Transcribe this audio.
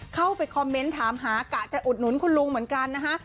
เข้าไปคอมเมนต์ถามหากะจะอุดหนุนคุณลุงเหมือนกันนะคะ